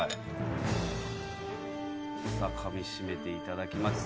かみ締めていただきます。